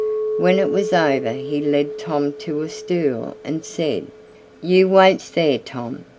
When it was over he led Tom to a stool and said, "You waits there, Tom.